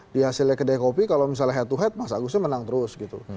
di hasilnya kedai kopi kalau misalnya head to head mas agusnya menang terus gitu